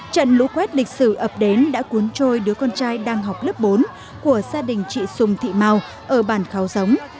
trận lũ quét lịch sử ập đến đã cuốn trôi đứa con trai đang học lớp bốn của gia đình chị sùng thị mau ở bản kháo giống